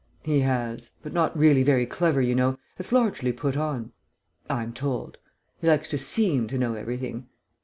"He has. But not really very clever, you know. It's largely put on.... I'm told. He likes to seem to know everything